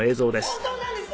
本当なんです」